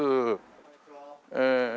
え